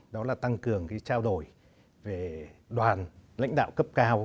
đó là tăng cường trao đổi về đoàn lãnh đạo cấp cao